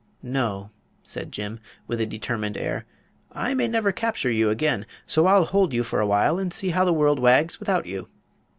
"No," said Jim, with a determined air. "I may never capture you again; so I'll hold you for awhile and see how the world wags without you."